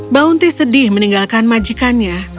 bounty sedih meninggalkan majikannya